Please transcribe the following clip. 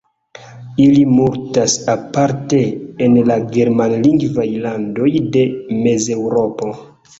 Ili multas aparte en la germanlingvaj landoj de Mezeŭropo.